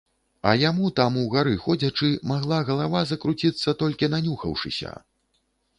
А яму, там угары ходзячы, магла галава закруціцца толькі нанюхаўшыся.